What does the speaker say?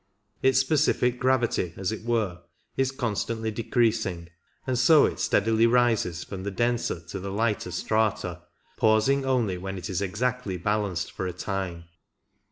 Its specific gravity, as it were, is constantly decreasing, and so it steadily rises from the denser to the lighter strata, pausing only when it is exactly balanced for a time.